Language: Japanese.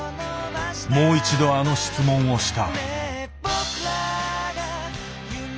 もう一度あの質問をした。